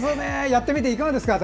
やってみていかがでしたか？